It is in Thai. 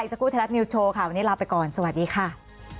อีซากู้แทนรัฐนิวส์โชว์วันนี้ลาไปก่อนสวัสดีค่ะ